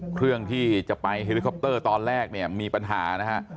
เครื่องที่จะไปเฮลิคอปเตอร์ตอนแรกเนี่ยมีปัญหานะฮะ